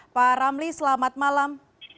pak ramli selamat malam